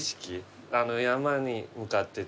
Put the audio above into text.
あの山に向かって。